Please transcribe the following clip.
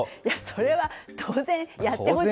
それは当然やってほしいですけどね。